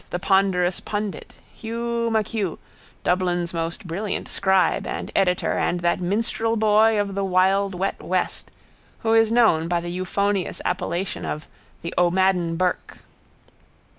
The ponderous pundit, Hugh MacHugh, Dublin's most brilliant scribe and editor and that minstrel boy of the wild wet west who is known by the euphonious appellation of the O'Madden Burke.